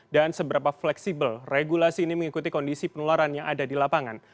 dan seberapa fleksibel regulasi ini mengikuti kondisi penularan yang ada di lapangan